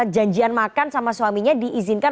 janjian makan sama suaminya diizinkan